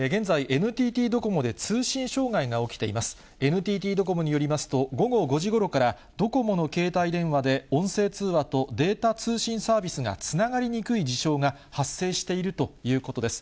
ＮＴＴドコモによりますと、午後５時ごろから、ドコモの携帯電話で音声通話とデータ通信サービスがつながりにくい事象が発生しているということです。